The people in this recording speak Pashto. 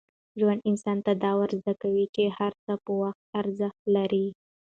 ژوند انسان ته دا ور زده کوي چي هر څه په وخت ارزښت لري.